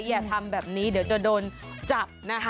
อย่าทำแบบนี้เดี๋ยวจะโดนจับนะคะ